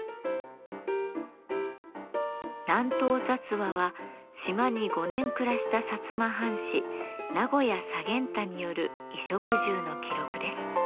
「南島雑話」は島に５年暮らした薩摩藩士名越左源太による衣食住の記録です。